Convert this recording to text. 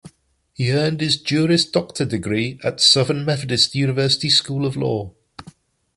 He earned his Juris Doctor degree at Southern Methodist University School of Law.